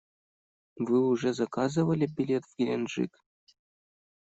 Вы уже заказывали билет в Геленджик?